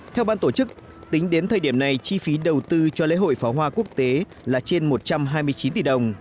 theo ban tổ chức tính đến thời điểm này chi phí đầu tư cho lễ hội pháo hoa quốc tế là trên một trăm hai mươi chín tỷ đồng